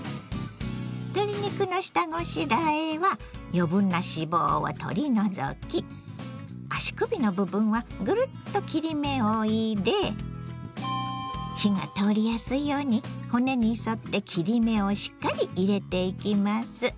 鶏肉の下ごしらえは余分な脂肪を取り除き足首の部分はぐるっと切り目を入れ火が通りやすいように骨に沿って切り目をしっかり入れていきます。